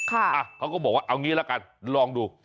เขาก็บอกว่าเอางี้ละกันลองดู